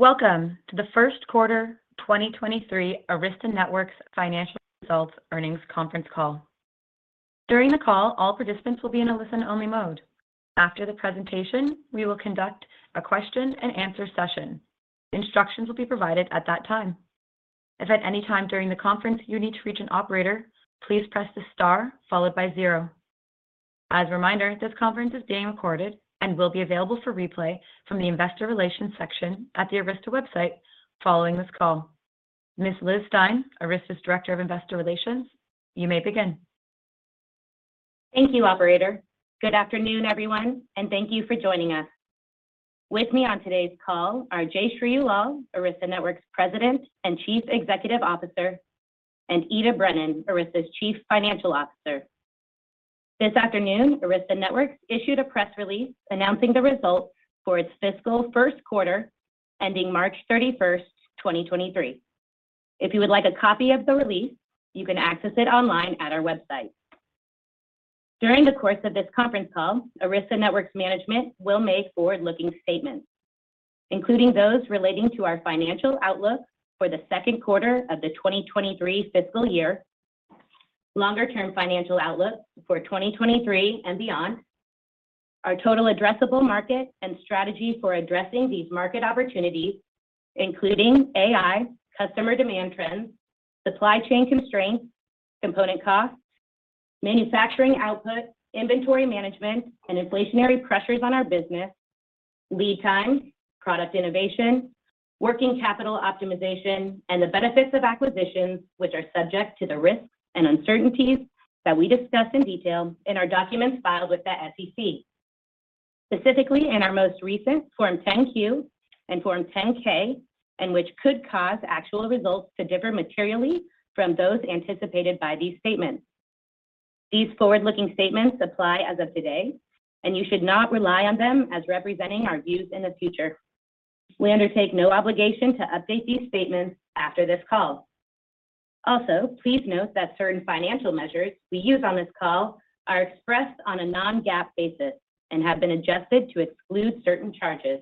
Welcome to the first quarter 2023 Arista Networks financial results earnings conference call. During the call, all participants will be in a listen-only mode. After the presentation, we will conduct a question and answer session. Instructions will be provided at that time. If at any time during the conference you need to reach an operator, please press the star followed by zero. As a reminder, this conference is being recorded and will be available for replay from the investor relations section at the Arista website following this call. Ms. Liz Stine, Arista's Director of Investor Relations, you may begin. Thank you, operator. Good afternoon, everyone, and thank you for joining us. With me on today's call are Jayshree Ullal, Arista Networks President and Chief Executive Officer, and Ita Brennan, Arista's Chief Financial Officer. This afternoon, Arista Networks issued a press release announcing the results for its fiscal first quarter ending March 31, 2023. If you would like a copy of the release, you can access it online at our website. During the course of this conference call, Arista Networks management will make forward-looking statements, including those relating to our financial outlook for the second quarter of the 2023 fiscal year, longer-term financial outlook for 2023 and beyond, our total addressable market and strategy for addressing these market opportunities, including AI, customer demand trends, supply chain constraints, component costs, manufacturing output, inventory management, and inflationary pressures on our business, lead time, product innovation, working capital optimization, and the benefits of acquisitions which are subject to the risks and uncertainties that we discuss in detail in our documents filed with the SEC. Specifically in our most recent Form 10-Q and Form 10-K, and which could cause actual results to differ materially from those anticipated by these statements. These forward-looking statements apply as of today, and you should not rely on them as representing our views in the future. We undertake no obligation to update these statements after this call. Please note that certain financial measures we use on this call are expressed on a non-GAAP basis and have been adjusted to exclude certain charges.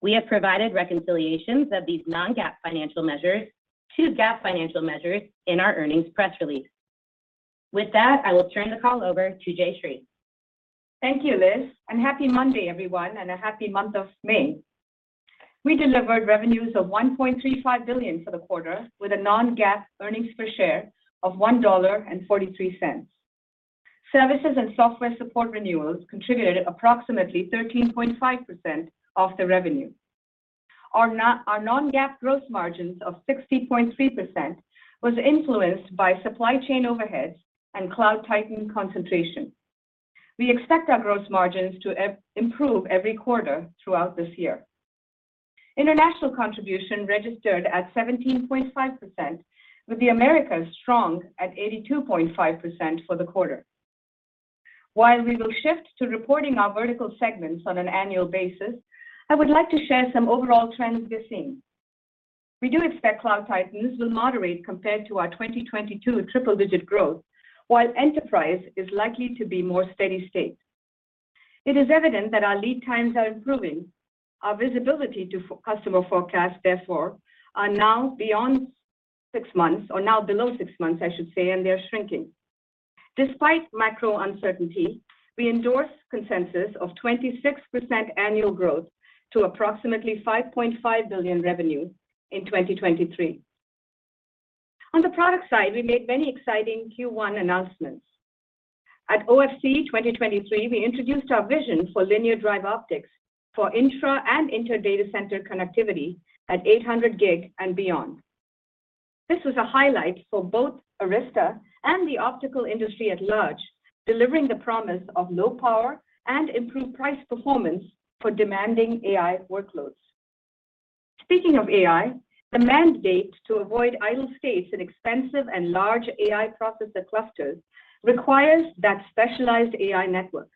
We have provided reconciliations of these non-GAAP financial measures to GAAP financial measures in our earnings press release. With that, I will turn the call over to Jayshree. Thank you, Liz, and happy Monday, everyone, and a happy month of May. We delivered revenues of $1.35 billion for the quarter with a non-GAAP earnings per share of $1.43. Services and software support renewals contributed approximately 13.5% of the revenue. Our non-GAAP gross margins of 60.3% was influenced by supply chain overheads and cloud titan concentration. We expect our gross margins to improve every quarter throughout this year. International contribution registered at 17.5%, with the Americas strong at 82.5% for the quarter. While we will shift to reporting our vertical segments on an annual basis, I would like to share some overall trends we're seeing. We do expect cloud titans will moderate compared to our 2022 triple-digit growth, while enterprise is likely to be more steady-state. It is evident that our lead times are improving. Our visibility to customer forecast, therefore, are now beyond six months, or now below six months, I should say, and they are shrinking. Despite macro uncertainty, we endorse consensus of 26% annual growth to approximately $5.5 billion revenue in 2023. On the product side, we made many exciting Q1 announcements. At OFC 2023, we introduced our vision for linear drive optics for intra and inter data center connectivity at 800 gig and beyond. This was a highlight for both Arista and the optical industry at large, delivering the promise of low power and improved price performance for demanding AI workloads. Speaking of AI, the mandate to avoid idle states in expensive and large AI processor clusters requires that specialized AI network.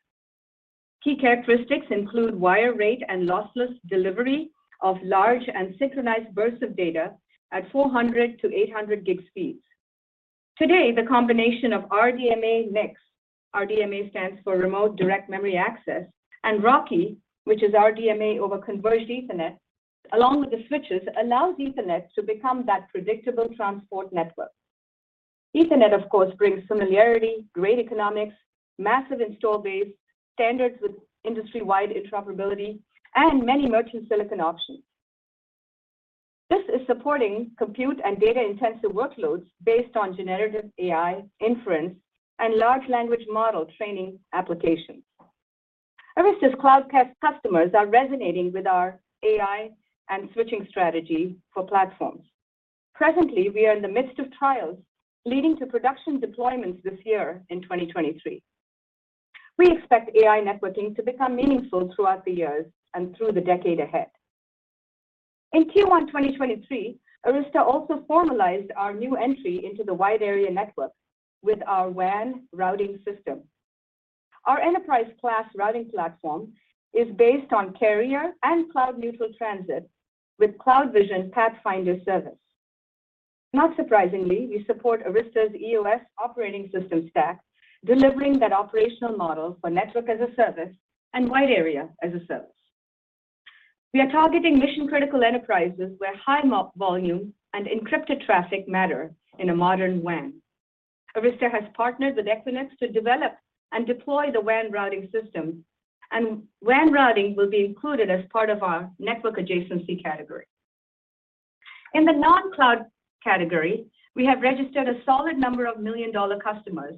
Key characteristics include wire rate and lossless delivery of large and synchronized bursts of data at 400-800 gig speeds. Today, the combination of RDMA NICs, RDMA stands for Remote Direct Memory Access, and RoCE, which is RDMA over Converged Ethernet, along with the switches, allows Ethernet to become that predictable transport network. Ethernet, of course, brings familiarity, great economics, massive install base, standards with industry-wide interoperability, and many merchant silicon options. This is supporting compute and data-intensive workloads based on generative AI inference and large language model training applications. Arista's cloud-class customers are resonating with our AI and switching strategy for platforms. Presently, we are in the midst of trials leading to production deployments this year in 2023. We expect AI networking to become meaningful throughout the years and through the decade ahead. In Q1 2023, Arista also formalized our new entry into the wide area network with our WAN Routing System. Our enterprise-class routing platform is based on carrier and cloud-neutral transit with CloudVision Pathfinder service. Not surprisingly, we support Arista's EOS operating system stack, delivering that operational model for network as a service and wide area as a service. We are targeting mission-critical enterprises where high MPLS volume and encrypted traffic matter in a modern WAN. Arista has partnered with Equinix to develop and deploy the WAN Routing System, and WAN routing will be included as part of our network adjacency category. In the non-cloud category, we have registered a solid number of million-dollar customers,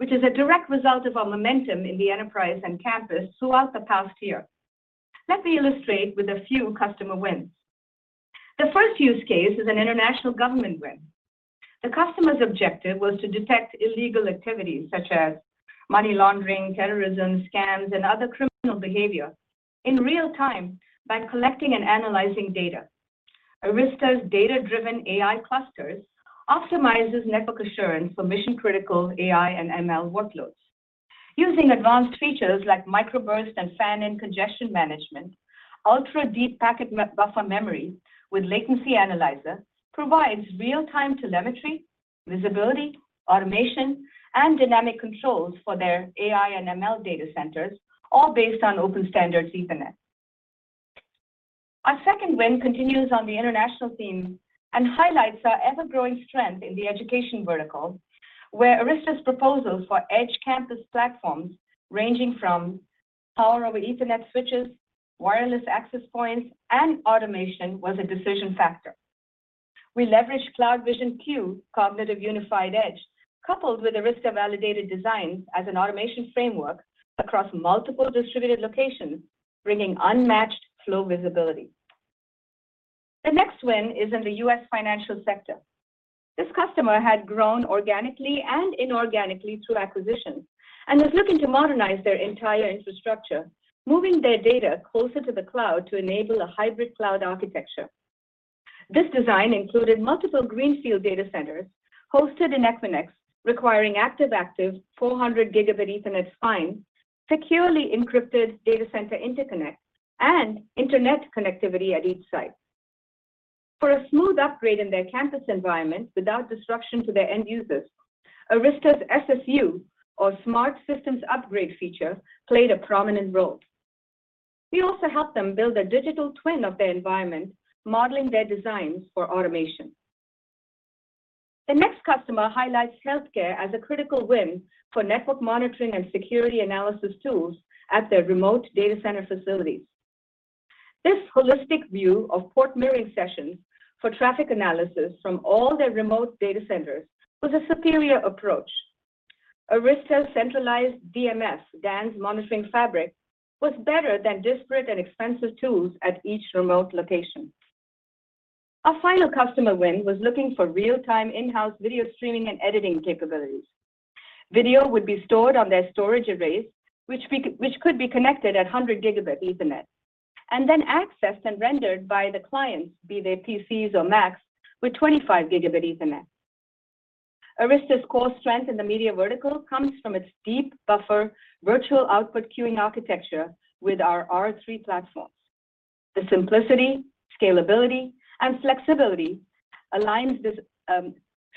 which is a direct result of our momentum in the enterprise and campus throughout the past year. Let me illustrate with a few customer wins. The first use case is an international government win. The customer's objective was to detect illegal activities such as money laundering, terrorism, scams, and other criminal behavior in real time by collecting and analyzing data. Arista's data-driven AI clusters optimizes network assurance for mission-critical AI and ML workloads. Using advanced features like microburst and fan-in congestion management, ultra-deep packet buffer memory with latency analyzer provides real-time telemetry, visibility, automation, and dynamic controls for their AI and ML data centers, all based on open standards Ethernet. Our second win continues on the international theme and highlights our ever-growing strength in the education vertical, where Arista's proposals for edge campus platforms ranging from Power over Ethernet switches, wireless access points, and automation was a decision factor. We leveraged CloudVision CUE, Cognitive Unified Edge, coupled with Arista-validated designs as an automation framework across multiple distributed locations, bringing unmatched flow visibility. The next win is in the U.S. financial sector. This customer had grown organically and inorganically through acquisitions and was looking to modernize their entire infrastructure, moving their data closer to the cloud to enable a hybrid cloud architecture. This design included multiple greenfield data centers hosted in Equinix, requiring active-active 400 gigabit Ethernet spine, securely encrypted data center interconnect and internet connectivity at each site. For a smooth upgrade in their campus environment without disruption to their end users, Arista's SSU or Smart System Upgrade feature played a prominent role. We also helped them build a digital twin of their environment, modeling their designs for automation. The next customer highlights healthcare as a critical win for network monitoring and security analysis tools at their remote data center facilities. This holistic view of port mirroring sessions for traffic analysis from all their remote data centers was a superior approach. Arista's centralized DMF, DANZ Monitoring Fabric, was better than disparate and expensive tools at each remote location. Our final customer win was looking for real-time in-house video streaming and editing capabilities. Video would be stored on their storage arrays, which could be connected at 100 gigabit Ethernet and then accessed and rendered by the clients, be they PCs or Macs, with 25 gigabit Ethernet. Arista's core strength in the media vertical comes from its deep buffer virtual output queuing architecture with our R3 platforms. The simplicity, scalability, and flexibility aligns this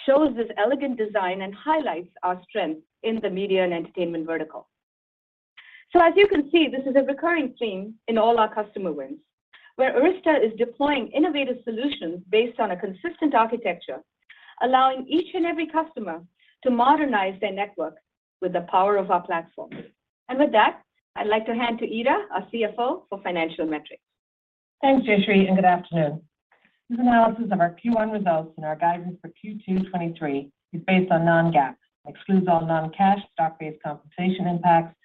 shows this elegant design and highlights our strength in the media and entertainment vertical. As you can see, this is a recurring theme in all our customer wins, where Arista is deploying innovative solutions based on a consistent architecture, allowing each and every customer to modernize their network with the power of our platform. With that, I'd like to hand to Ita, our CFO, for financial metrics. Thanks, Jayshree. Good afternoon. This analysis of our Q1 results and our guidance for Q2 2023 is based on non-GAAP, excludes all non-cash stock-based compensation impacts,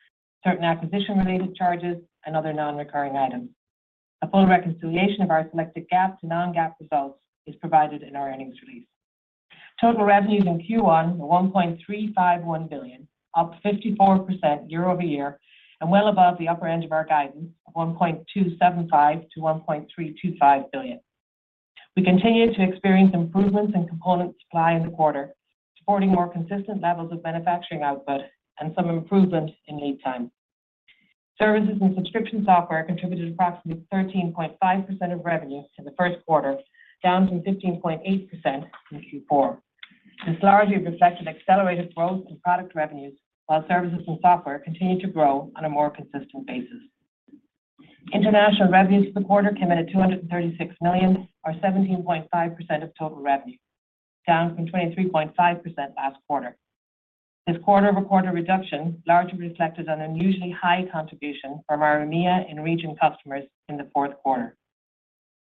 certain acquisition-related charges, and other non-recurring items. A full reconciliation of our selected GAAP to non-GAAP results is provided in our earnings release. Total revenues in Q1 were $1.351 billion, up 54% year-over-year and well above the upper end of our guidance of $1.275 billion-$1.325 billion. We continued to experience improvements in component supply in the quarter, supporting more consistent levels of manufacturing output and some improvement in lead time. Services and subscription software contributed approximately 13.5% of revenue to the first quarter, down from 15.8% in Q4. This largely reflected accelerated growth in product revenues while services and software continued to grow on a more consistent basis. International revenues for the quarter came in at $236 million or 17.5% of total revenue, down from 23.5% last quarter. This quarter-over-quarter reduction largely reflected an unusually high contribution from our EMEA in-region customers in the fourth quarter.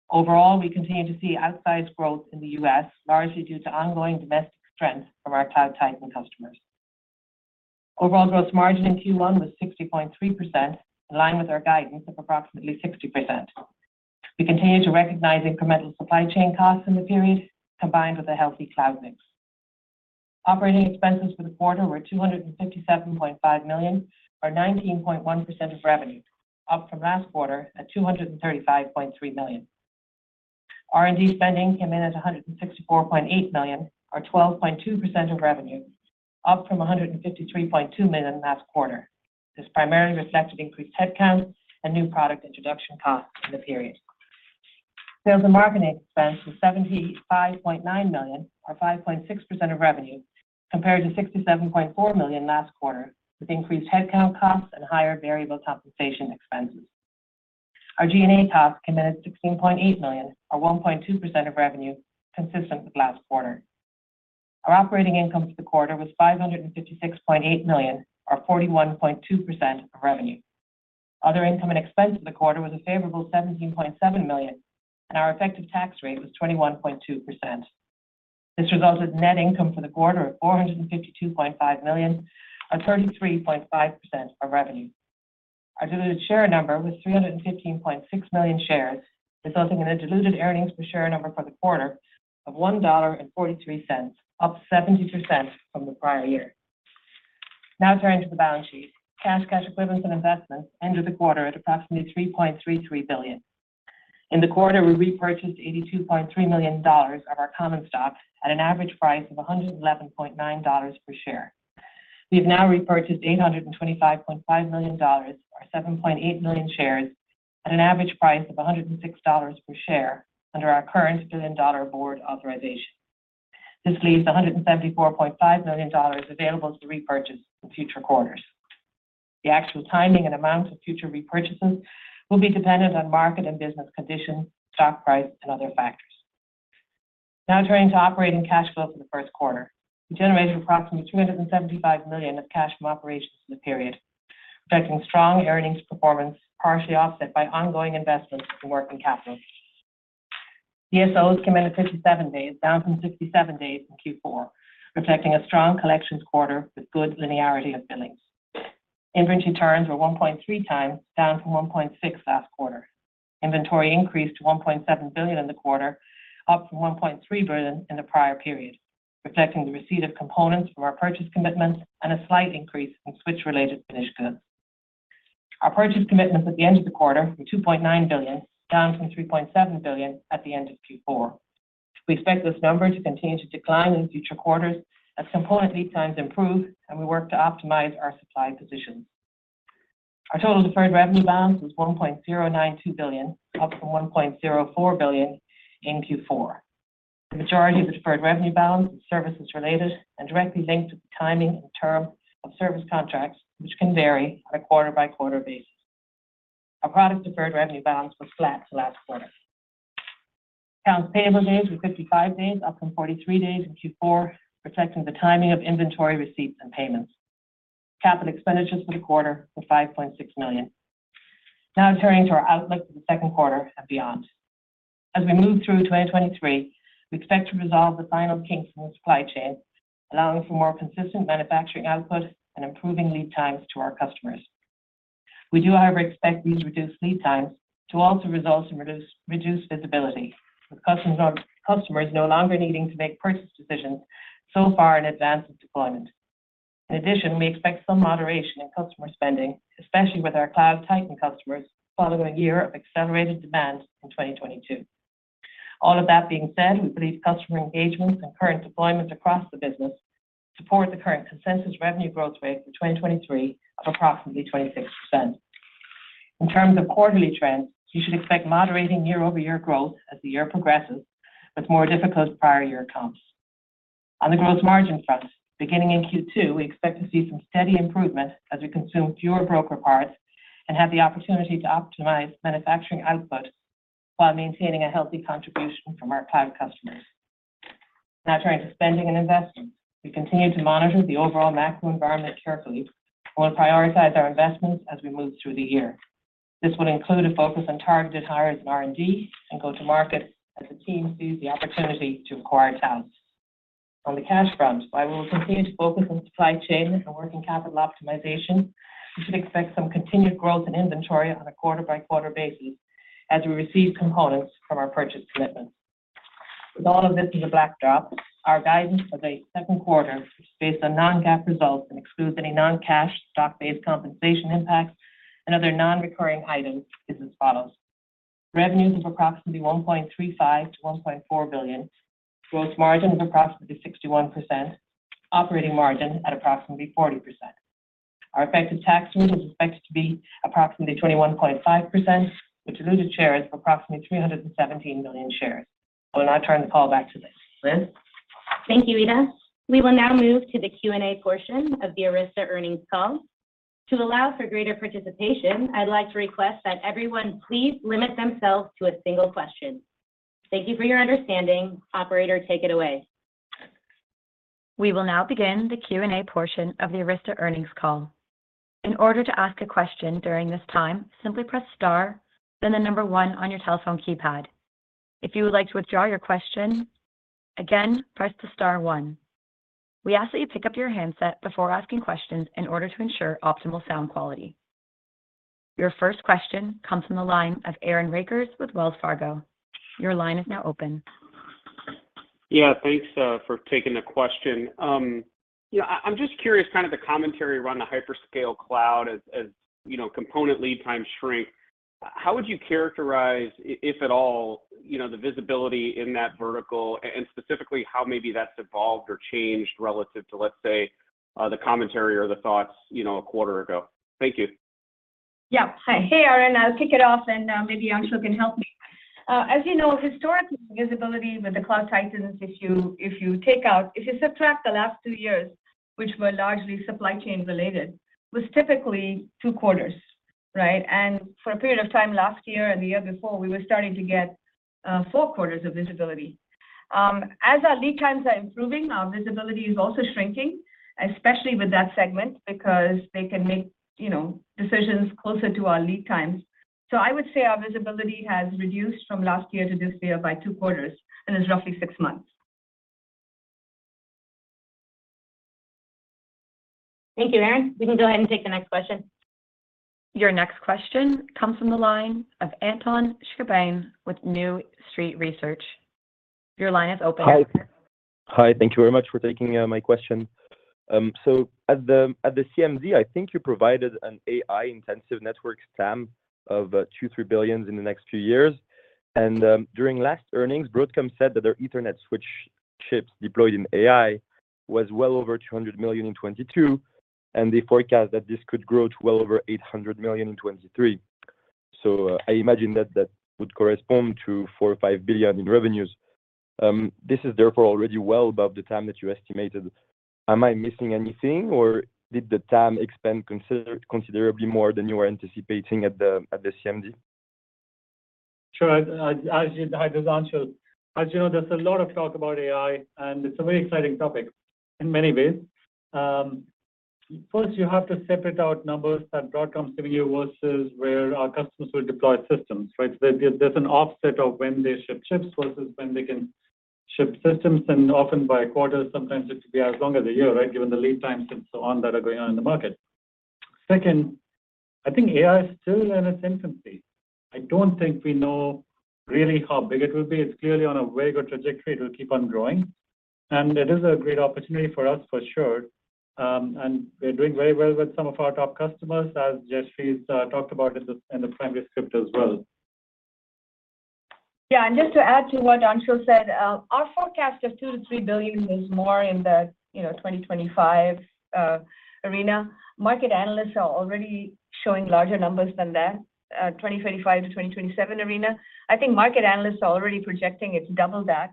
Overall, we continue to see outsized growth in the U.S., largely due to ongoing domestic strength from our cloud titan customers. Overall growth margin in Q1 was 60.3%, in line with our guidance of approximately 60%. We continue to recognize incremental supply chain costs in the period, combined with a healthy cloud mix. Operating expenses for the quarter were $257.5 million or 19.1% of revenue, up from last quarter at $235.3 million. R&D spending came in at $164.8 million or 12.2% of revenue. Up from $153.2 million last quarter. This primarily reflected increased headcount and new product introduction costs for the period. Sales and marketing expense was $75.9 million, or 5.6% of revenue, compared to $67.4 million last quarter, with increased headcount costs and higher variable compensation expenses. Our G&A costs came in at $16.8 million, or 1.2% of revenue, consistent with last quarter. Our operating income for the quarter was $556.8 million, or 41.2% of revenue. Other income and expense for the quarter was a favorable $17.7 million, and our effective tax rate was 21.2%. This resulted in net income for the quarter of $452.5 million, or 33.5% of revenue. Our diluted share number was 315.6 million shares, resulting in a diluted earnings per share number for the quarter of $1.43, up $0.72 from the prior year. Now turning to the balance sheet. Cash, cash equivalents, and investments ended the quarter at approximately $3.33 billion. In the quarter, we repurchased $82.3 million of our common stock at an average price of $111.9 per share. We have now repurchased $825.5 million, or 7.8 million shares, at an average price of $106 per share under our current billion-dollar board authorization. This leaves $174.5 million available to repurchase in future quarters. The actual timing and amount of future repurchases will be dependent on market and business conditions, stock price, and other factors. Turning to operating cash flow for the first quarter. We generated approximately $275 million of cash from operations in the period, reflecting strong earnings performance, partially offset by ongoing investments in working capital. DSOs came in at 57-days, down from 67-days in Q4, reflecting a strong collections quarter with good linearity of billings. Inventory turns were 1.3 times, down from 1.6 last quarter. Inventory increased to $1.7 billion in the quarter, up from $1.3 billion in the prior period, reflecting the receipt of components from our purchase commitments and a slight increase in switch-related finished goods. Our purchase commitments at the end of the quarter were $2.9 billion, down from $3.7 billion at the end of Q4. We expect this number to continue to decline in future quarters as component lead times improve and we work to optimize our supply positions. Our total deferred revenue balance was $1.092 billion, up from $1.04 billion in Q4. The majority of the deferred revenue balance is services related and directly linked to the timing and term of service contracts, which can vary on a quarter-by-quarter basis. Our product deferred revenue balance was flat to last quarter. Accounts payable days were 55-days, up from 43-days in Q4, reflecting the timing of inventory receipts and payments. CapEx for the quarter were $5.6 million. Turning to our outlook for the second quarter and beyond. As we move through 2023, we expect to resolve the final kinks in the supply chain, allowing for more consistent manufacturing output and improving lead times to our customers. We do, however, expect these reduced lead times to also result in reduced visibility, with customers no longer needing to make purchase decisions so far in advance of deployment. We expect some moderation in customer spending, especially with our cloud titan customers, following a year of accelerated demand in 2022. All of that being said, we believe customer engagements and current deployments across the business support the current consensus revenue growth rate for 2023 of approximately 26%. In terms of quarterly trends, you should expect moderating year-over-year growth as the year progresses, with more difficult prior year comps. On the gross margin front, beginning in Q2, we expect to see some steady improvement as we consume fewer broker parts and have the opportunity to optimize manufacturing output while maintaining a healthy contribution from our cloud customers. Now turning to spending and investment. We continue to monitor the overall macro environment carefully and will prioritize our investments as we move through the year. This would include a focus on targeted hires in R&D and go-to-market as the team sees the opportunity to acquire talent. On the cash front, while we will continue to focus on supply chain and working capital optimization, you should expect some continued growth in inventory on a quarter-by-quarter basis as we receive components from our purchase commitments. With all of this as a backdrop, our guidance for the second quarter, which is based on non-GAAP results and excludes any non-cash stock-based compensation impacts and other non-recurring items, is as follows: revenues of approximately $1.35 billion-$1.4 billion, gross margin of approximately 61%, operating margin at approximately 40%. Our effective tax rate is expected to be approximately 21.5%, with diluted shares of approximately 317 million shares. I will now turn the call back to Liz. Thank you, Ita. We will now move to the Q&A portion of the Arista earnings call. To allow for greater participation, I'd like to request that everyone please limit themselves to a single question. Thank you for your understanding. Operator, take it away. We will now begin the Q&A portion of the Arista earnings call. In order to ask a question during this time, simply press star one on your telephone keypad. If you would like to withdraw your question, again, press the star one. We ask that you pick up your handset before asking questions in order to ensure optimal sound quality. Your first question comes from the line of Aaron Rakers with Wells Fargo. Your line is now open. Yeah. Thanks, for taking the question. You know, I'm just curious, kind of the commentary around the hyperscale cloud as, you know, component lead times shrink. How would you characterize, if at all, you know, the visibility in that vertical and specifically how maybe that's evolved or changed relative to, let's say, the commentary or the thoughts, you know, a quarter ago? Thank you. Yeah. Hi. Hey, Aaron. I'll kick it off, and maybe Anjan can help me. As you know, historically, visibility with the cloud titans, if you subtract the last two years, which were largely supply chain related, was typically two quarters, right? For a period of time last year and the year before, we were starting to get four quarters of visibility. As our lead times are improving, our visibility is also shrinking, especially with that segment, because they can make, you know, decisions closer to our lead times. I would say our visibility has reduced from last year to this year by two quarters and is roughly six months. Thank you, Aaron. We can go ahead and take the next question. Your next question comes from the line of Antoine Chkaiban with New Street Research. Your line is open. Hi. Hi. Thank you very much for taking my question. At the TMT, I think you provided an AI intensive network TAM of $2 billion-$3 billion in the next few years. During last earnings, Broadcom said that their Ethernet switch chips deployed in AI was well over $200 million in 2022, and they forecast that this could grow to well over $800 million in 2023. I imagine that that would correspond to $4 billion or $5 billion in revenues. This is therefore already well above the TAM that you estimated. Am I missing anything or did the TAM expand considerably more than you were anticipating at the TMT? Sure. Hi. This is Anshul. As you know, there's a lot of talk about AI, and it's a very exciting topic in many ways. First you have to separate out numbers that Broadcom's giving you versus where our customers will deploy systems, right? There's an offset of when they ship chips versus when they can ship systems and often by a quarter, sometimes it could be as long as a year, right, given the lead times and so on that are going on in the market. Second, I think AI is still in its infancy. I don't think we know really how big it will be. It's clearly on a very good trajectory to keep on growing, and it is a great opportunity for us for sure. We're doing very well with some of our top customers, as Jayshree Ullal's talked about this in the primary script as well. Yeah. Just to add to what Anshul said, our forecast of $2 billion-$3 billion is more in the 2025 arena. Market analysts are already showing larger numbers than that, 2025-2027 arena. I think market analysts are already projecting it's double that.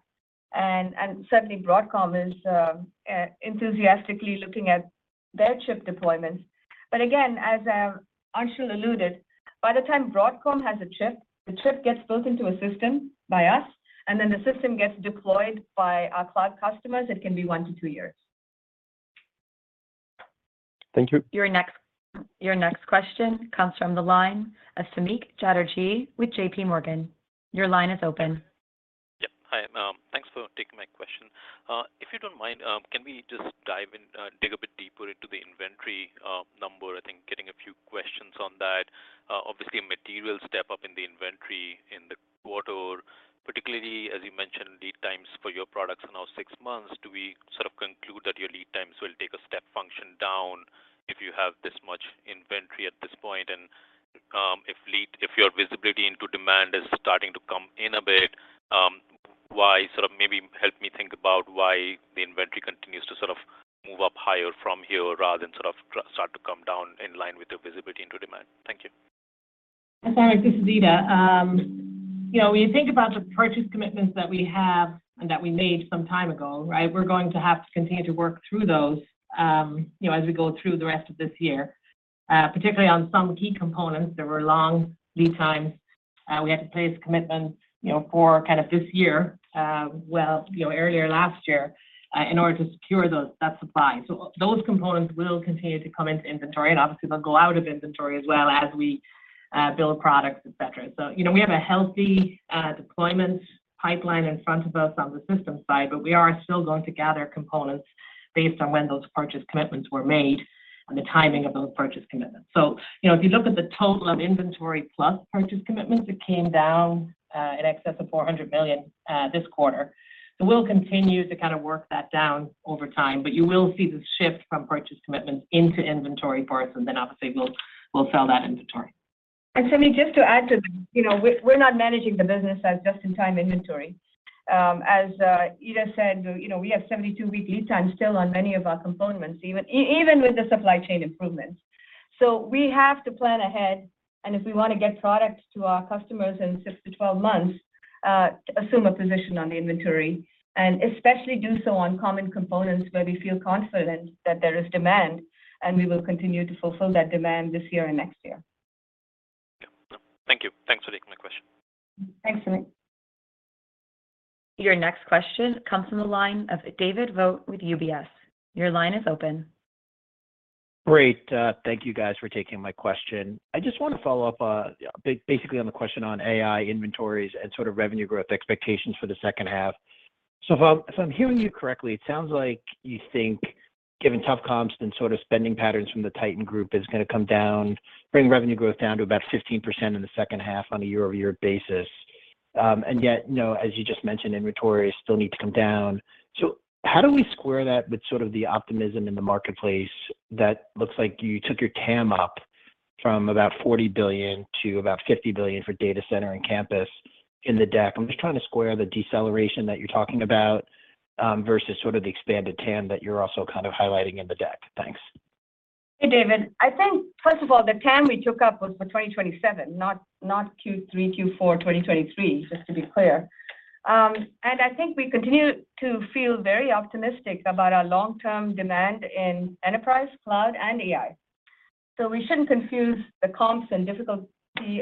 Certainly Broadcom is enthusiastically looking at their chip deployments. Again, as Anshul alluded, by the time Broadcom has a chip, the chip gets built into a system by us, and then the system gets deployed by our cloud customers, it can be one to two years. Thank you. Your next question comes from the line of Samik Chatterjee with JPMorgan. Your line is open. Hi. Thanks for taking my question. If you don't mind, can we just dive in, dig a bit deeper into the inventory number? I think getting a few questions on that. Obviously a material step up in the inventory in the quarter, particularly as you mentioned, lead times for your products are now six months. Do we sort of conclude that your lead times will take a step function down if you have this much inventory at this point? If your visibility into demand is starting to come in a bit, why sort of maybe help me think about why the inventory continues to sort of move up higher from here rather than sort of start to come down in line with the visibility into demand. Thank you. Hi, Samik Chatterjee. This is Ita Brennan. You know, when you think about the purchase commitments that we have and that we made some time ago, right? We're going to have to continue to work through those, you know, as we go through the rest of this year, particularly on some key components, there were long lead times. We had to place commitments, you know, for kind of this year, well, you know, earlier last year, in order to secure those, that supply. Those components will continue to come into inventory and obviously they'll go out of inventory as well as we build products, et cetera. You know, we have a healthy deployment pipeline in front of us on the system side, but we are still going to gather components based on when those purchase commitments were made and the timing of those purchase commitments. You know, if you look at the total of inventory plus purchase commitments, it came down in excess of $400 million this quarter. We'll continue to kind of work that down over time, but you will see the shift from purchase commitments into inventory first, and then obviously we'll sell that inventory. Samik, just to add to that, you know, we're not managing the business as just in time inventory. As Ita said, you know, we have 72-week lead time still on many of our components, even with the supply chain improvements. We have to plan ahead and if we want to get product to our customers in six to 12 months, assume a position on the inventory and especially do so on common components where we feel confident that there is demand and we will continue to fulfill that demand this year and next year. Thank you. Thanks for taking my question. Thanks, Samik. Your next question comes from the line of David Vogt with UBS. Your line is open. Great. Thank you guys for taking my question. I just want to follow up, basically on the question on AI inventories and sort of revenue growth expectations for the second half. If I'm hearing you correctly, it sounds like you think given tough comps and sort of spending patterns from the Titan group is going to come down, bring revenue growth down to about 15% in the second half on a year-over-year basis. Yet, you know, as you just mentioned, inventories still need to come down. How do we square that with sort of the optimism in the marketplace that looks like you took your TAM up from about $40 billion to about $50 billion for data center and campus in the deck? I'm just trying to square the deceleration that you're talking about, versus sort of the expanded TAM that you're also kind of highlighting in the deck. Thanks. Hey, David. I think first of all, the TAM we took up was for 2027, not Q3, Q4 2023, just to be clear. I think we continue to feel very optimistic about our long-term demand in enterprise, cloud, and AI. We shouldn't confuse the comps and difficulty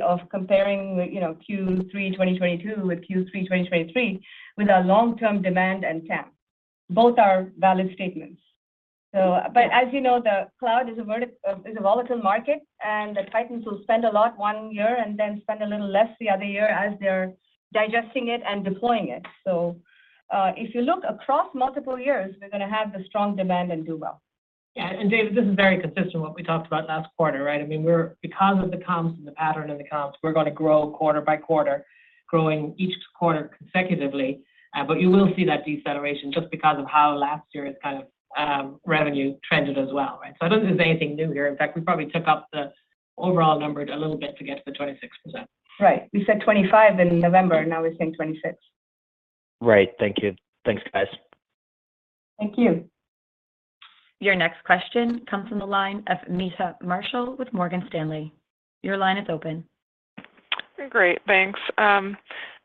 of comparing, you know, Q3 2022 with Q3 2023 with our long-term demand and TAM. Both are valid statements. As you know, the cloud is a volatile market, and the titans will spend a lot one year and then spend a little less the other year as they're digesting it and deploying it. If you look across multiple years, we're gonna have the strong demand and do well. Yeah. David, this is very consistent what we talked about last quarter, right? I mean, because of the comps and the pattern of the comps, we're gonna grow quarter by quarter, growing each quarter consecutively. You will see that deceleration just because of how last year's kind of revenue trended as well, right? I don't think there's anything new here. In fact, we probably took up the overall number a little bit to get to the 26%. Right. We said 2025 in November, now we're saying 2026. Right. Thank you. Thanks, guys. Thank you. Your next question comes from the line of Meta Marshall with Morgan Stanley. Your line is open. Great. Thanks.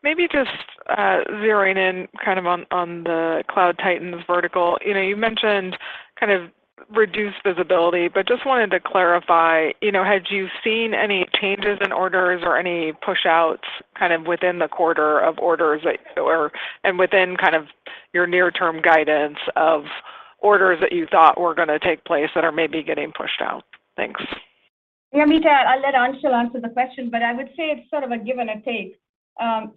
maybe just zeroing in kind of on the cloud titans vertical. You know, you mentioned kind of reduced visibility, just wanted to clarify, you know, had you seen any changes in orders or any pushouts kind of within the quarter of orders that and within kind of your near-term guidance of orders that you thought were gonna take place that are maybe getting pushed out? Thanks? Yeah, Meta, I'll let Anshul answer the question, but I would say it's sort of a give and a take.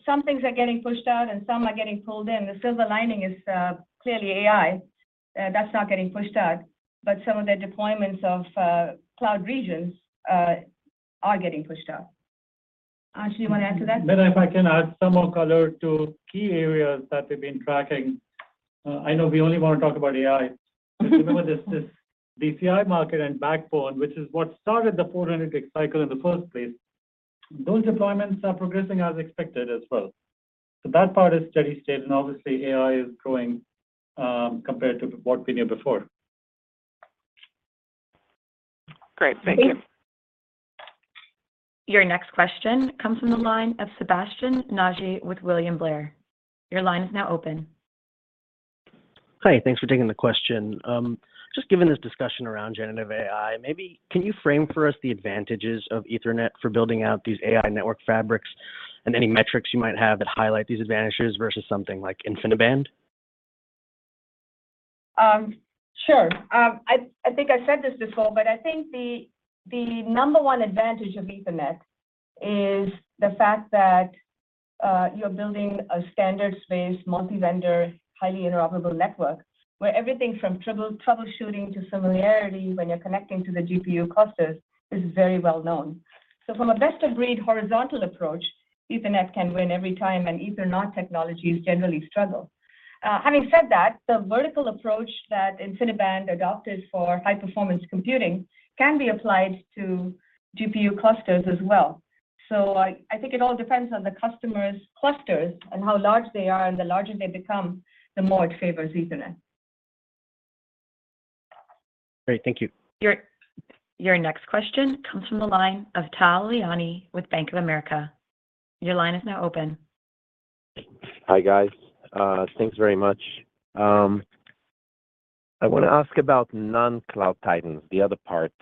Some things are getting pushed out, and some are getting pulled in. The silver lining is clearly AI, that's not getting pushed out, but some of the deployments of cloud regions are getting pushed out. Anshul, you want to add to that? Meta, if I can add some more color to key areas that we've been tracking. I know we only want to talk about AI. Remember there's this DCI market and backbone, which is what started the 400 cycle in the first place. Those deployments are progressing as expected as well. That part is steady state, and obviously AI is growing, compared to what we knew before. Great. Thank you. Thanks. Your next question comes from the line of Sebastien Naji with William Blair. Your line is now open. Hi. Thanks for taking the question. Just given this discussion around generative AI, maybe can you frame for us the advantages of Ethernet for building out these AI network fabrics and any metrics you might have that highlight these advantages versus something like InfiniBand? Sure. I think I said this before, but I think the number one advantage of Ethernet is the fact that you're building a standard space, multi-vendor, highly interoperable network where everything from troubleshooting to familiarity when you're connecting to the GPU clusters is very well known. From a best of breed horizontal approach, Ethernet can win every time, and Ethernet technologies generally struggle. Having said that, the vertical approach that InfiniBand adopted for high-performance computing can be applied to GPU clusters as well. I think it all depends on the customer's clusters and how large they are, and the larger they become, the more it favors Ethernet. Great. Thank you. Your next question comes from the line of Tal Liani with Bank of America. Your line is now open. Hi, guys. Thanks very much. I want to ask about non-cloud titans, the other part.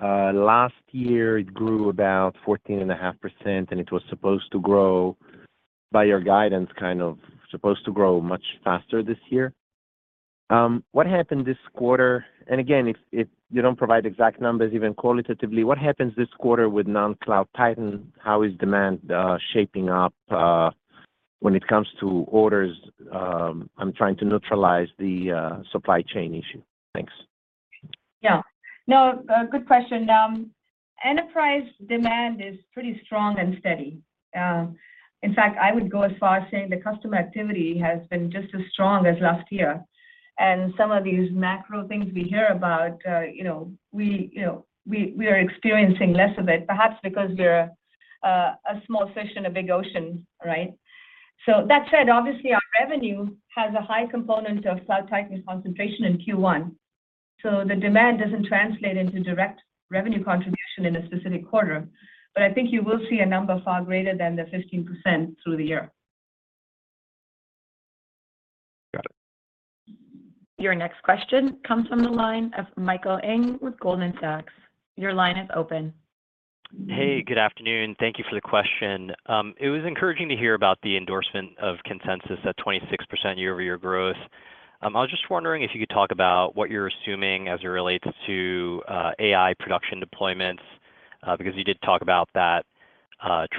Last year it grew about 14.5%, it was supposed to grow by your guidance, kind of supposed to grow much faster this year. What happened this quarter? Again, if you don't provide exact numbers even qualitatively, what happens this quarter with non-cloud titan? How is demand shaping up when it comes to orders? I'm trying to neutralize the supply chain issue. Thanks. Yeah. No, a good question. Enterprise demand is pretty strong and steady. In fact, I would go as far as saying the customer activity has been just as strong as last year. Some of these macro things we hear about, you know, we are experiencing less of it perhaps because we're a small fish in a big ocean, right? That said, obviously our revenue has a high component of cloud titan concentration in Q1, so the demand doesn't translate into direct revenue contribution in a specific quarter. I think you will see a number far greater than the 15% through the year. Got it. Your next question comes from the line of Michael Ng with Goldman Sachs. Your line is open. Good afternoon. Thank you for the question. It was encouraging to hear about the endorsement of consensus at 26% year-over-year growth. I was just wondering if you could talk about what you're assuming as it relates to AI production deployments, because you did talk about that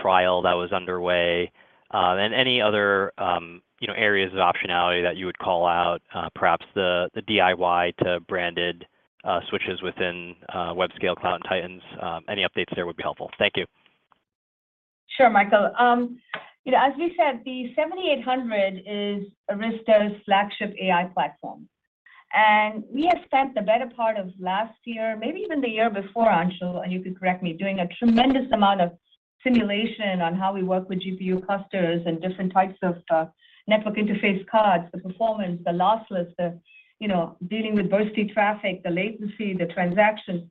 trial that was underway. Any other, you know, areas of optionality that you would call out, perhaps the DIY to branded switches within web scale cloud titans. Any updates there would be helpful. Thank you. Sure, Michael. you know, as we said, the 7800 is Arista's flagship AI platform. We have spent the better part of last year, maybe even the year before, Anshul, and you can correct me, doing a tremendous amount of simulation on how we work with GPU clusters and different types of network interface cards, the performance, the lossless, you know, dealing with bursty traffic, the latency, the transactions.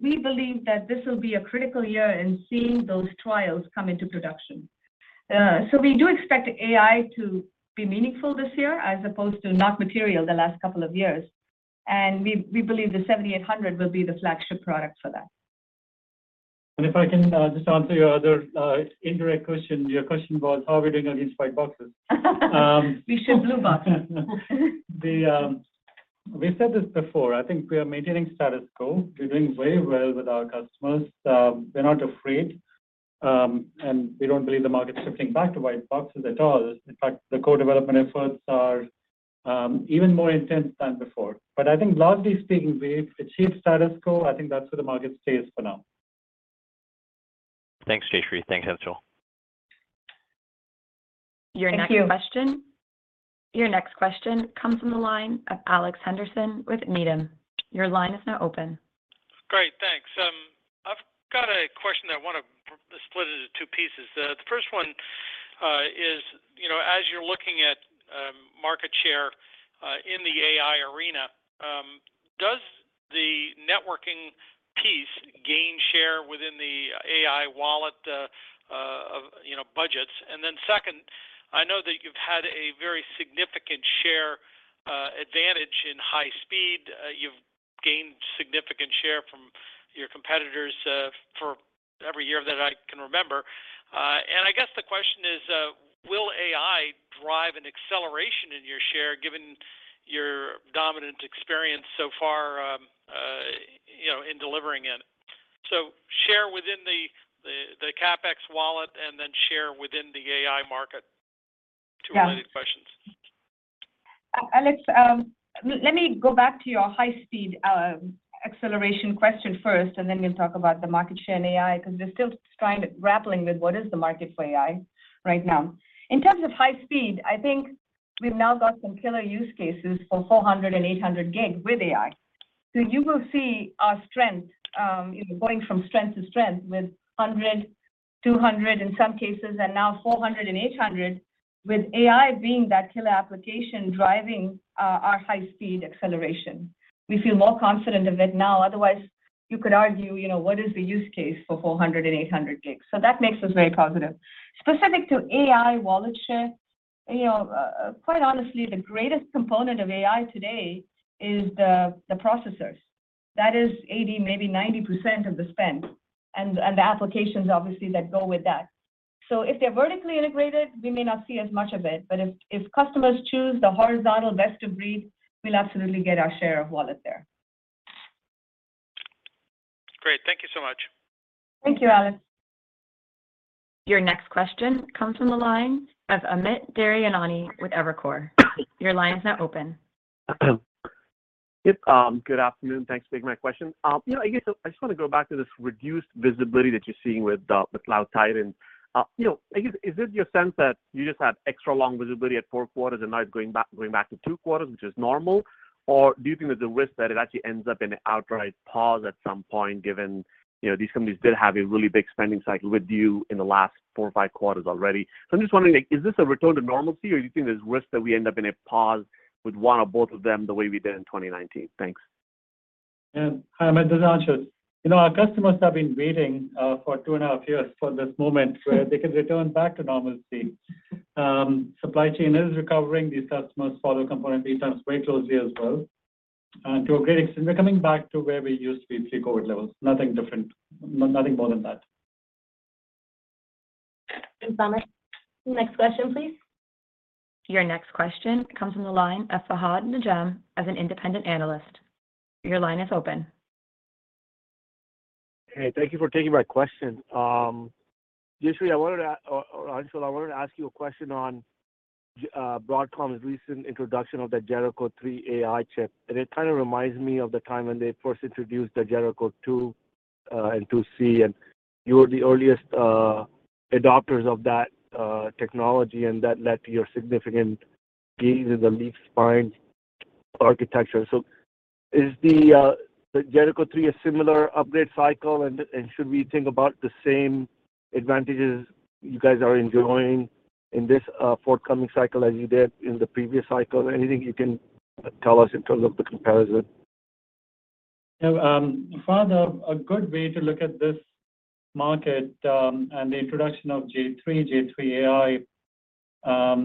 We believe that this will be a critical year in seeing those trials come into production. We do expect AI to be meaningful this year as opposed to not material the last couple of years. We believe the 7800 will be the flagship product for that. If I can, just answer your other, indirect question. Your question was how are we doing against white boxes? We ship blue boxes. We've said this before, I think we are maintaining status quo. We're doing very well with our customers. They're not afraid, and we don't believe the market's shifting back to white boxes at all. In fact, the core development efforts are even more intense than before. I think largely speaking, we've achieved status quo. I think that's where the market stays for now. Thanks, Jayshree. Thanks, Anshul. Thank you. Your next question. Your next question comes from the line of Alex Henderson with Needham. Your line is now open. Great. Thanks. I've got a question that I want to split into two pieces. The first one is, you know, as you're looking at market share in the AI arena, does the networking piece gain share within the AI wallet of, you know, budgets? Second, I know that you've had a very significant share advantage in high speed. You've gained significant share from your competitors for every year that I can remember. I guess the question is, will AI drive an acceleration in your share given your dominant experience so far in delivering it? So share within the CapEx wallet and then share within the AI market. Yeah. Two related questions. Alex, let me go back to your high speed acceleration question first, then we'll talk about the market share in AI because we're still grappling with what is the market for AI right now. In terms of high speed, I think we've now got some killer use cases for 400 and 800 gig with AI. You will see our strength going from strength to strength with 100 gigs, 200 gigs in some cases, now 400 gigs and 800 gigs with AI being that killer application driving our high speed acceleration. We feel more confident of it now. Otherwise, you could argue, you know, what is the use case for 400 gigs and 800 gigs? That makes us very positive. Specific to AI wallet share, you know, quite honestly, the greatest component of AI today is the processors. That is 80%, maybe 90% of the spend and the applications obviously that go with that. If they're vertically integrated, we may not see as much of it, but if customers choose the horizontal best of breed, we'll absolutely get our share of wallet there. Great. Thank you so much. Thank you, Alex. Your next question comes from the line of Amit Daryanani with Evercore. Your line is now open. Yep. good afternoon. Thanks for taking my question. you know, I guess I just want to go back to this reduced visibility that you're seeing with the cloud titans. you know, I guess, is it your sense that you just have extra long visibility at four quarters and now it's going back to two quarters, which is normal? Or do you think there's a risk that it actually ends up in an outright pause at some point, given, you know, these companies did have a really big spending cycle with you in the last four or five quarters already. I'm just wondering, like, is this a return to normalcy, or do you think there's risk that we end up in a pause with one or both of them the way we did in 2019? Thanks. Yeah. Hi, Amit. This is Anshul. You know, our customers have been waiting for 2.5 years for this moment where they can return back to normalcy. Supply chain is recovering. These customers follow component lead times very closely as well. To a great extent, we're coming back to where we used to be pre-COVID levels. Nothing different. Nothing more than that. Thanks, Amit. Next question, please. Your next question comes from the line of Fahad Najam of an independent analyst. Your line is open. Hey, thank you for taking my question. Jayshree, I wanted and Anjan, I wanted to ask you a question on Broadcom's recent introduction of the Jericho3-AI chip. It kind of reminds me of the time when they first introduced the Jericho2 and Jericho2c, and you were the earliest adopters of that technology, and that led to your significant gains in the leaf-spine architecture. Is the Jericho3 a similar upgrade cycle and should we think about the same advantages you guys are enjoying in this forthcoming cycle as you did in the previous cycle? Anything you can tell us in terms of the comparison? Yeah, Fahad, a good way to look at this market, and the introduction of Jericho3, Jericho3-AI,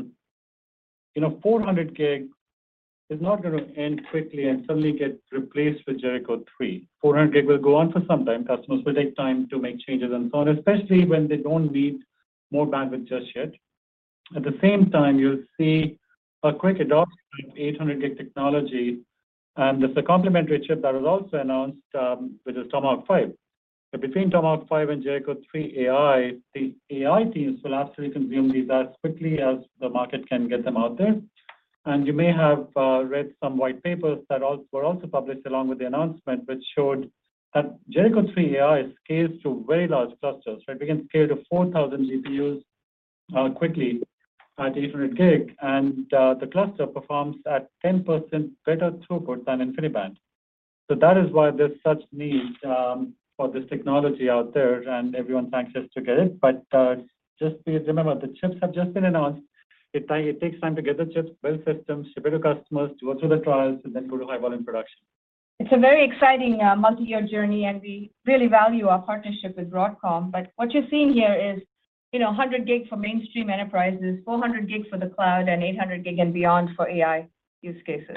you know, 400 gig is not going to end quickly and suddenly get replaced with Jericho3. 400 gig will go on for some time. Customers will take time to make changes and so on, especially when they don't need more bandwidth just yet. At the same time, you'll see a quick adoption of 800 gig technology, and there's a complementary chip that was also announced, which is Tomahawk 5. Between Tomahawk 5 and Jericho3-AI, the AI teams will have to consume these as quickly as the market can get them out there. You may have read some white papers that were also published along with the announcement, which showed that Jericho3-AI scales to very large clusters. Right? We can scale to 4,000 GPUs quickly at 800 gig. The cluster performs at 10% better throughput than InfiniBand. That is why there's such need for this technology out there, and everyone's anxious to get it. Just please remember, the chips have just been announced. It takes time to get the chips, build systems, ship it to customers, go through the trials, and then go to high volume production. It's a very exciting multi-year journey. We really value our partnership with Broadcom. What you're seeing here is, you know, 100 gig for mainstream enterprises, 400 gig for the cloud, and 800 gig and beyond for AI use cases.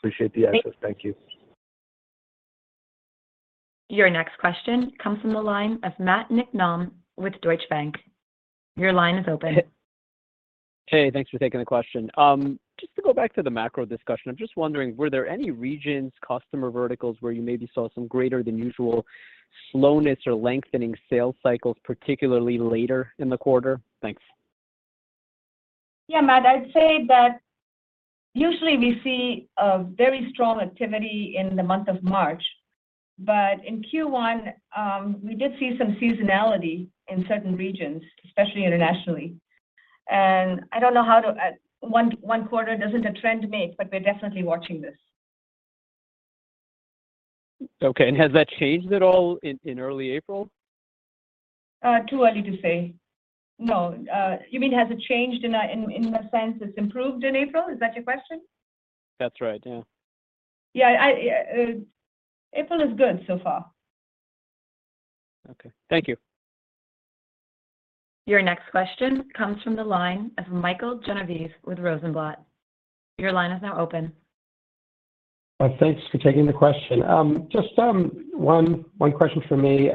Appreciate the insights. Thank you. Thank- Your next question comes from the line of Matt Niknam with Deutsche Bank. Your line is open. Hey, thanks for taking the question. Just to go back to the macro discussion, I'm just wondering, were there any regions, customer verticals where you maybe saw some greater than usual slowness or lengthening sales cycles, particularly later in the quarter? Thanks. Yeah, Matt. I'd say that usually we see a very strong activity in the month of March. In Q1, we did see some seasonality in certain regions, especially internationally. I don't know. One quarter doesn't a trend make, but we're definitely watching this. Okay. Has that changed at all in early April? Too early to say. No. You mean has it changed in the sense it's improved in April? Is that your question? That's right. Yeah. Yeah. I, April is good so far. Okay. Thank you. Your next question comes from the line of Michael Genovese with Rosenblatt. Your line is now open. Thanks for taking the question. Just one question from me.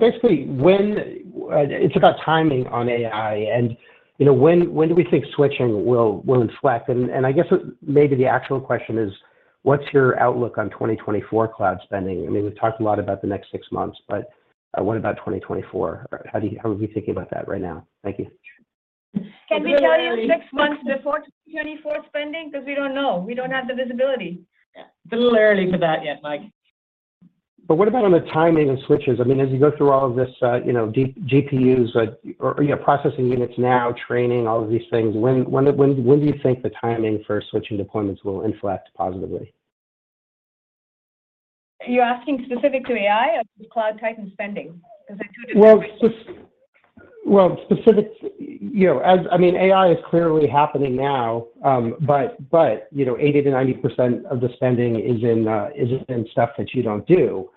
Basically when... it's about timing on AI and, you know, when do we think switching will inflect? I guess maybe the actual question is, what's your outlook on 2024 cloud spending? I mean, we've talked a lot about the next six months, but what about 2024? How are we thinking about that right now? Thank you. Can we tell you 6 months before 2024 spending? 'Cause we don't know. We don't have the visibility. It's a little early for that yet, Mike. What about on the timing of switches? I mean, as you go through all of this, you know, GPUs or, you know, processing units now, training, all of these things, when do you think the timing for switching deployments will inflect positively? Are you asking specific to AI or just cloud titan spending? 'Cause they're two different questions. Well, specific, you know, as I mean, AI is clearly happening now. You know, 80%-90% of the spending is in stuff that you don't do.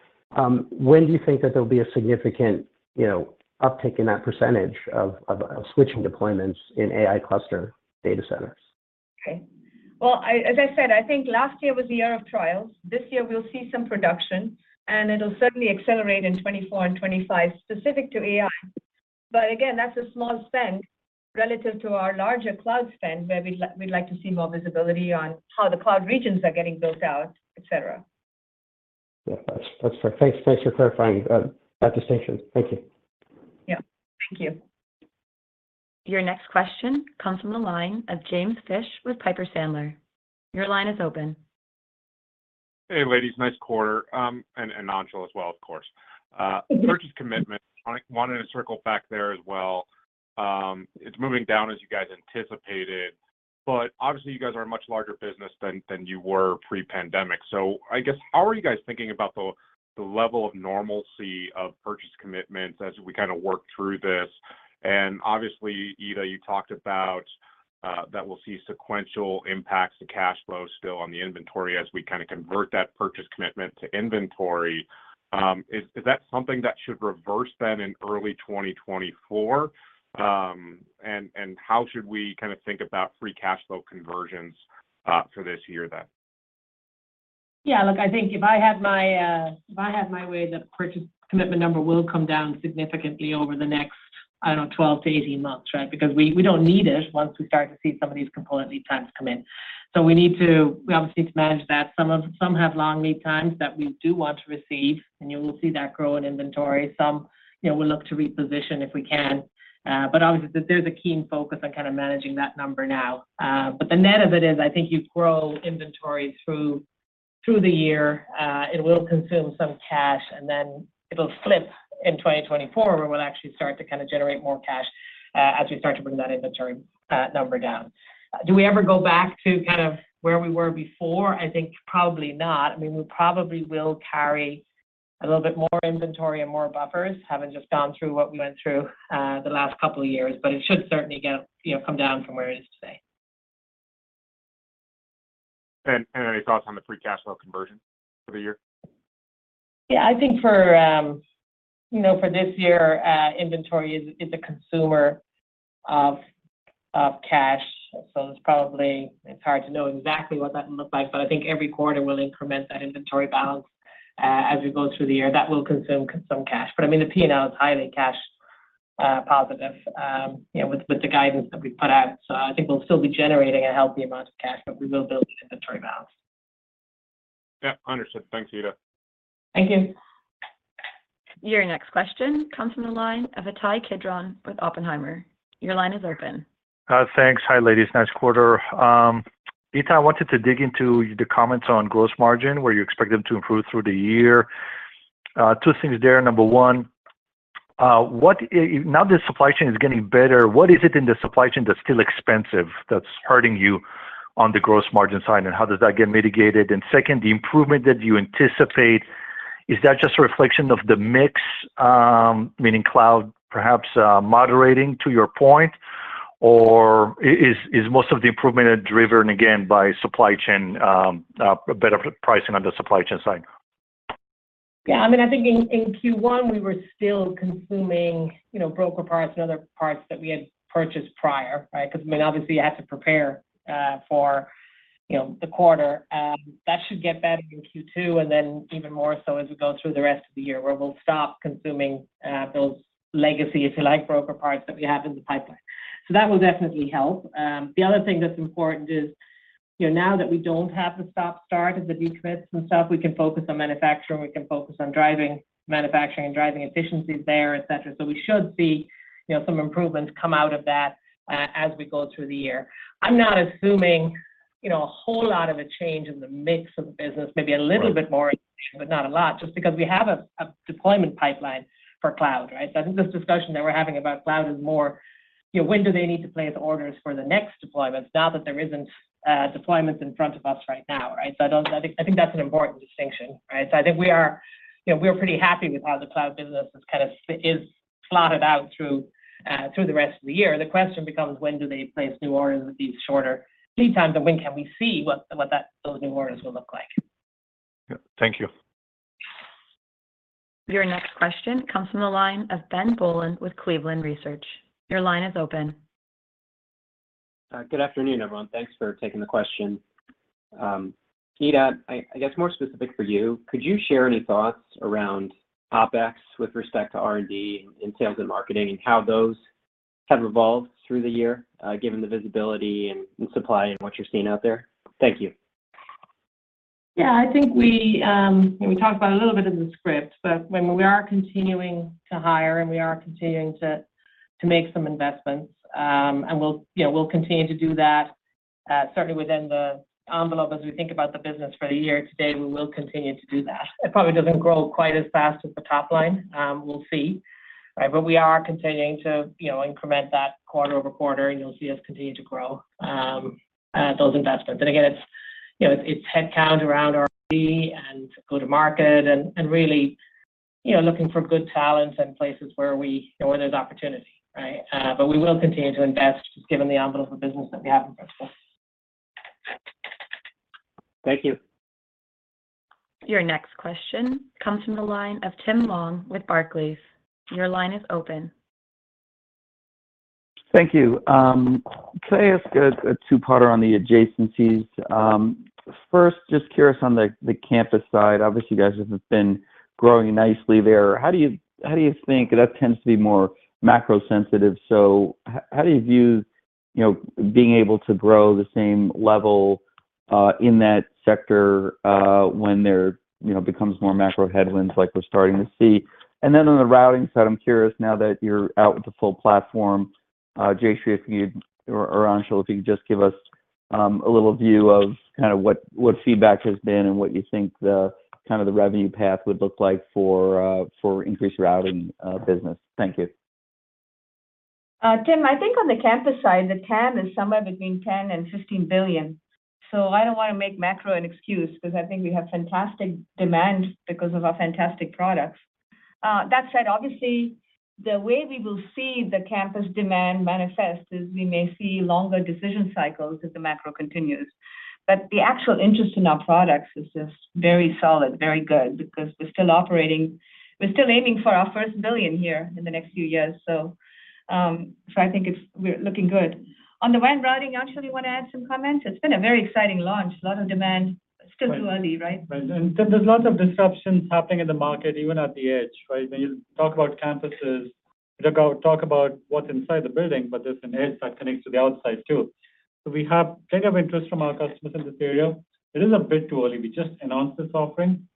When do you think that there'll be a significant, you know, uptick in that percentage of switching deployments in AI cluster data centers? Okay. Well, As I said, I think last year was the year of trials. This year we'll see some production, and it'll certainly accelerate in 2024 and 2025 specific to AI. Again, that's a small spend relative to our larger cloud spend, where we'd like to see more visibility on how the cloud regions are getting built out, et cetera. Yeah, that's fair. Thanks for clarifying, that distinction. Thank you. Yeah. Thank you. Your next question comes from the line of James Fish with Piper Sandler. Your line is open. Hey, ladies. Nice quarter, and Anshul as well, of course. Purchase commitment, I wanted to circle back there as well. It's moving down as you guys anticipated, but obviously you guys are a much larger business than you were pre-pandemic. I guess how are you guys thinking about the level of normalcy of purchase commitments as we kind of work through this? Obviously, Ita Brennan, you talked about that we'll see sequential impacts to cash flow still on the inventory as we kind of convert that purchase commitment to inventory. Is that something that should reverse then in early 2024? And how should we kind of think about free cash flow conversions for this year then? Look, I think if I had my way, the purchase commitment number will come down significantly over the next, I don't know, 12-18 months, right? Because we don't need it once we start to see some of these component lead times come in. We obviously need to manage that. Some have long lead times that we do want to receive, and you will see that grow in inventory. Some, you know, we'll look to reposition if we can. Obviously there's a keen focus on kind of managing that number now. The net of it is I think you grow inventory through the year. It will consume some cash, and then it'll flip in 2024, where we'll actually start to kind of generate more cash, as we start to bring that inventory number down. Do we ever go back to kind of where we were before? I think probably not. I mean, we probably will carry a little bit more inventory and more buffers, having just gone through what we went through, the last couple of years. It should certainly get, you know, come down from where it is today. Any thoughts on the free cash flow conversion for the year? Yeah. I think for, you know, for this year, inventory is a consumer of cash. It's probably, it's hard to know exactly what that looks like. I think every quarter we'll increment that inventory balance as we go through the year. That will consume cash. I mean, the P&L is highly cash positive, you know, with the guidance that we've put out. I think we'll still be generating a healthy amount of cash, but we will build an inventory balance. Understood. Thanks, Ita Brennan. Thank you. Your next question comes from the line of Ittai Kidron with Oppenheimer. Your line is open. Thanks. Hi, ladies. Nice quarter. Ita, I wanted to dig into the comments on gross margin, where you expect them to improve through the year. Two things there. Number one, now that supply chain is getting better, what is it in the supply chain that's still expensive that's hurting you on the gross margin side, and how does that get mitigated? Second, the improvement that you anticipate, is that just a reflection of the mix, meaning cloud perhaps, moderating to your point? Or is most of the improvement driven again by supply chain, better pricing on the supply chain side? Yeah, I mean, I think in Q1 we were still consuming, you know, broker parts and other parts that we had purchased prior, right? 'Cause I mean, obviously you had to prepare for, you know, the quarter. That should get better in Q2 and then even more so as we go through the rest of the year where we'll stop consuming those legacy, if you like, broker parts that we have in the pipeline. That will definitely help. The other thing that's important is, you know, now that we don't have the stop-start of the de- commits and stuff, we can focus on manufacturing, we can focus on driving manufacturing and driving efficiencies there, et cetera. We should see, you know, some improvements come out of that as we go through the year. I'm not assuming, you know, a whole lot of a change in the mix of the business. Right not a lot just because we have a deployment pipeline for cloud, right? I think this discussion that we're having about cloud is more, you know, when do they need to place orders for the next deployments now that there isn't deployments in front of us right now, right? I don't. I think that's an important distinction, right? I think we are, you know, we are pretty happy with how the cloud business is kind of is slotted out through the rest of the year. The question becomes when do they place new orders with these shorter lead times, and when can we see what that, those new orders will look like? Yeah. Thank you. Your next question comes from the line of Ben Bollin with Cleveland Research. Your line is open. Good afternoon everyone. Thanks for taking the question. Ita, I guess more specific for you, could you share any thoughts around OpEx with respect to R&D in sales and marketing and how those have evolved through the year, given the visibility and supply and what you're seeing out there? Thank you. Yeah, I think we, you know, we talked about a little bit in the script. When we are continuing to hire and we are continuing to make some investments, we'll, you know, we'll continue to do that, certainly within the envelope as we think about the business for the year today, we will continue to do that. It probably doesn't grow quite as fast as the top line. We'll see, right? We are continuing to, you know, increment that quarter-over-quarter and you'll see us continue to grow those investments. Again, it's, you know, it's headcount around R&D and go to market and really, you know, looking for good talent and places where we know where there's opportunity, right? We will continue to invest given the envelope of business that we have in front of us. Thank you. Your next question comes from the line of Tim Long with Barclays. Your line is open. Thank you. Could I ask a two parter on the adjacencies? First just curious on the campus side, obviously you guys have been growing nicely there. How do you think? That tends to be more macro sensitive, so how do you view, you know, being able to grow the same level in that sector when there, you know, becomes more macro headwinds like we're starting to see? On the routing side, I'm curious now that you're out with the full platform, Jayshree if you or Anshul if you could just give us a little view of kind of what feedback has been and what you think the kind of the revenue path would look like for increased routing business. Thank you. Tim, I think on the campus side, the TAM is somewhere between $10 billion and $15 billion. I don't wanna make macro an excuse 'cause I think we have fantastic demand because of our fantastic products. That said, obviously the way we will see the campus demand manifest is we may see longer decision cycles as the macro continues. The actual interest in our products is just very solid, very good because we're still operating, we're still aiming for our first $1 billion here in the next few years, so we are looking good. On the WAN routing, Anshul, you wanna add some comments? It's been a very exciting launch. A lot of demand. Still too early, right? Right. Tim, there's lots of disruptions happening in the market, even at the edge, right? When you talk about campuses, you talk about what's inside the building, but there's an edge that connects to the outside too. We have bit of interest from our customers in this area. It is a bit too early. We just announced this offering,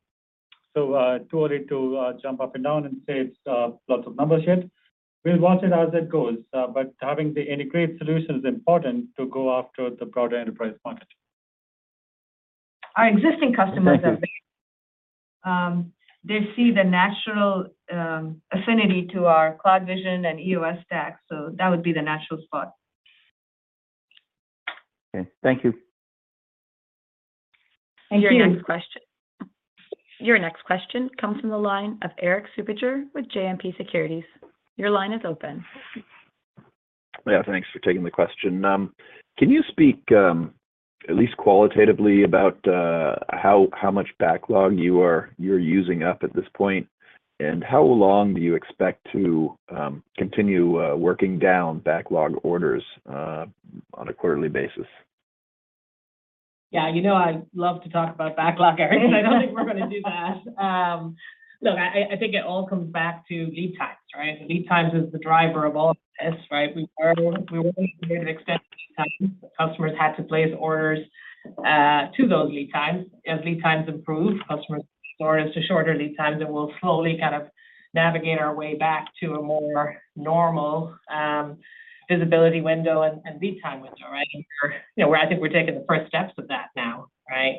too early to jump up and down and say it's lots of numbers yet. We'll watch it as it goes. But having the integrated solution is important to go after the broader enterprise market. Our existing customers are. Thank you. They see the natural affinity to our CloudVision and EOS stack, so that would be the natural spot. Okay. Thank you. Thank you. Your next question comes from the line of Erik Suppiger with JMP Securities. Your line is open. Yeah, thanks for taking the question. Can you speak, at least qualitatively about, how much backlog you're using up at this point, and how long do you expect to, continue, working down backlog orders, on a quarterly basis? You know I love to talk about backlog, Erik, but I don't think we're gonna do that. Look, I think it all comes back to lead times, right? Lead times is the driver of all this, right? We've already. Mm-hmm. Extended lead times. Customers had to place orders to those lead times. As lead times improve, customers orders to shorter lead times, we'll slowly kind of navigate our way back to a more normal visibility window and lead time window, right? We're, you know, we're, I think we're taking the first steps of that now, right?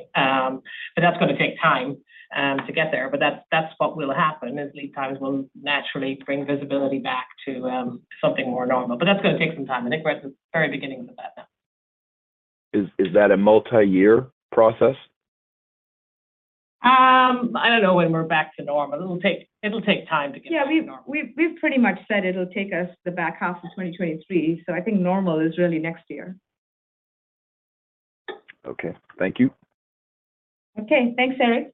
That's gonna take time to get there. That's, that's what will happen, is lead times will naturally bring visibility back to something more normal. That's gonna take some time, and I think we're at the very beginning of that now. Is that a multi-year process? I don't know when we're back to normal. It'll take time to get to normal. Yeah, we've pretty much said it'll take us the back half of 2023. I think normal is really next year. Okay. Thank you. Okay. Thanks, Erik.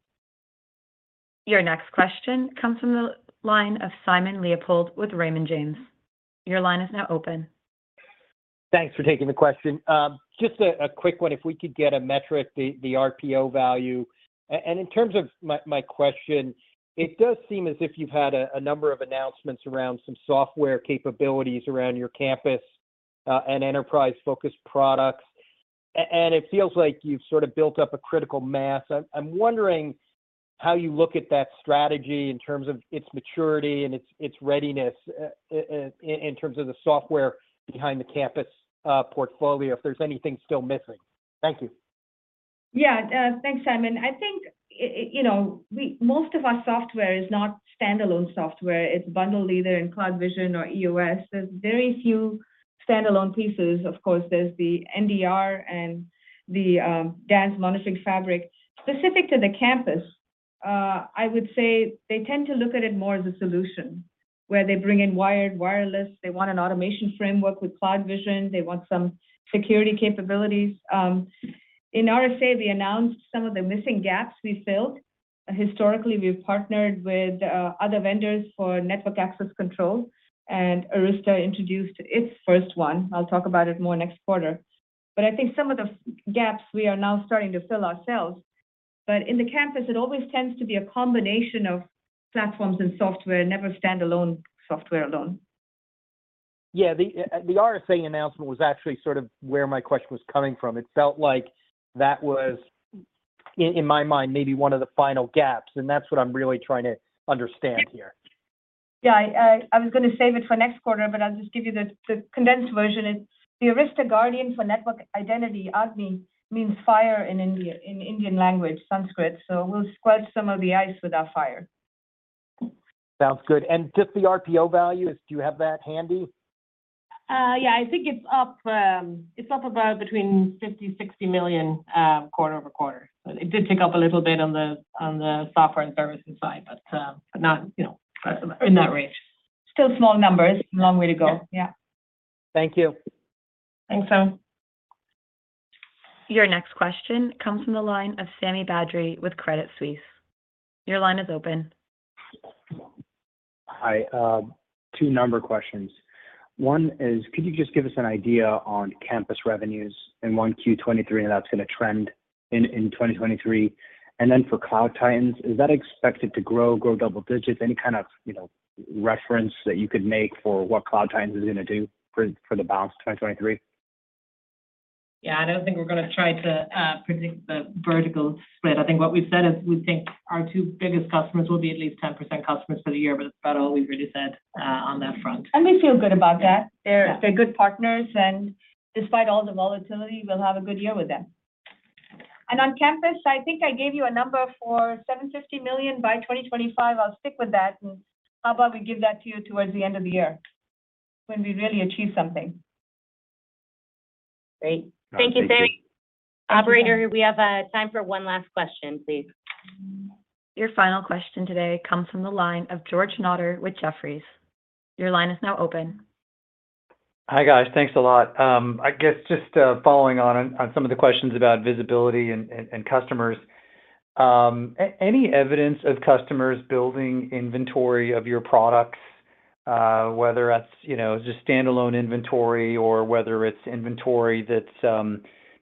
Your next question comes from the line of Simon Leopold with Raymond James. Your line is now open. Thanks for taking the question. Just a quick one if we could get a metric, the RPO value. In terms of my question, it does seem as if you've had a number of announcements around some software capabilities around your campus and enterprise-focused products and it feels like you've sort of built up a critical mass. I'm wondering how you look at that strategy in terms of its maturity and its readiness in terms of the software behind the campus portfolio, if there's anything still missing? Thank you. Yeah. Thanks, Simon. I think you know, we most of our software is not standalone software. It's bundled either in CloudVision or EOS. There's very few standalone pieces. Of course, there's the NDR and the DANZ Monitoring Fabric. Specific to the campus, I would say they tend to look at it more as a solution, where they bring in wired, wireless, they want an automation framework with CloudVision, they want some security capabilities. In RSA, we announced some of the missing gaps we filled. Historically, we've partnered with other vendors for network access control. Arista introduced its first one. I'll talk about it more next quarter. I think some of the gaps we are now starting to fill ourselves. In the campus, it always tends to be a combination of platforms and software, never standalone software alone. Yeah. The, the RSA announcement was actually sort of where my question was coming from. It felt like that was in my mind, maybe one of the final gaps, and that's what I'm really trying to understand here. Yeah. I was gonna save it for next quarter, but I'll just give you the condensed version. It's the Arista Guardian for Network Identity, AGNI, means fire in India, in Indian language, Sanskrit. We'll squelch some of the ice with our fire. Sounds good. Just the RPO value, do you have that handy? Yeah. I think it's up, it's up about between $50 million-$60 million quarter-over-quarter. It did tick up a little bit on the software and services side, but not, you know, in that range. Still small numbers. Long way to go. Yeah. Yeah. Thank you. Thanks, Simon. Your next question comes from the line of Sami Badri with Credit Suisse. Your line is open. Hi. Two number questions. One is, could you just give us an idea on campus revenues in 1Q 2023, and how it's gonna trend in 2023? For cloud titans, is that expected to grow double digits? Any kind of, you know, reference that you could make for what cloud titans is gonna do for the balance of 2023? Yeah. I don't think we're gonna try to predict the vertical split. I think what we've said is we think our two biggest customers will be at least 10% customers for the year, but that's about all we've really said on that front. We feel good about that. Yeah. They're good partners. Despite all the volatility, we'll have a good year with them. On campus, I think I gave you a number for $750 million by 2025. I'll stick with that. How about we give that to you towards the end of the year when we really achieve something. Great. All right. Thank you. Thank you. Operator, we have time for one last question, please. Your final question today comes from the line of George Notter with Jefferies. Your line is now open. Hi, guys. Thanks a lot. I guess just following on some of the questions about visibility and customers. Any evidence of customers building inventory of your products, whether that's, you know, just standalone inventory or whether it's inventory that's,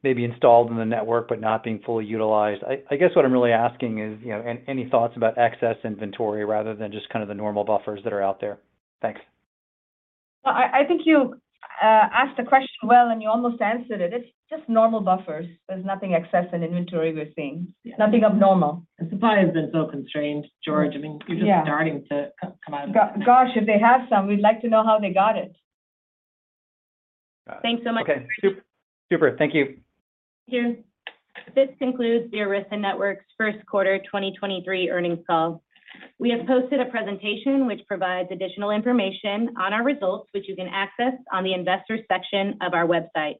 maybe installed in the network but not being fully utilized? I guess what I'm really asking is, you know, any thoughts about excess inventory rather than just kind of the normal buffers that are out there. Thanks. I think you asked the question well, and you almost answered it. It's just normal buffers. There's nothing excess in inventory we're seeing. Yeah. Nothing abnormal. Supply has been so constrained, George. I mean. Yeah. You're just starting to come out of that. Gosh, if they have some, we'd like to know how they got it. Yeah. Thanks so much. Okay. Super. Thank you. Thank you. This concludes the Arista Networks' first quarter 2023 earnings call. We have posted a presentation which provides additional information on our results, which you can access on the investor section of our website.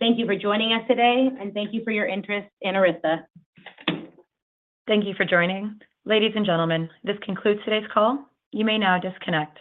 Thank you for joining us today, and thank you for your interest in Arista. Thank you for joining. Ladies and gentlemen, this concludes today's call. You may now disconnect.